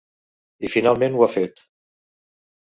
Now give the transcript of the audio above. I finalment ho ha fet.